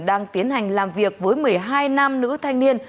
đang tiến hành làm việc với một mươi hai nam nữ thanh niên